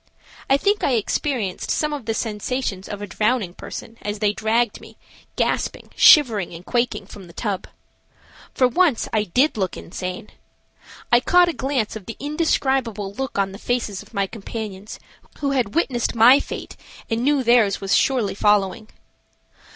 I think I experienced some of the sensations of a drowning person as they dragged me, gasping, shivering and quaking, from the tub. For once I did look insane. I caught a glance of the indescribable look on the faces of my companions, who had witnessed my fate and knew theirs was surely following.